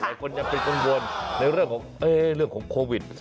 หลายคนยังเป็นคนวนในเรื่องของโควิด